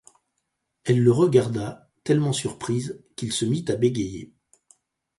Elle le regarda, tellement surprise, qu’il se mit à bégayer.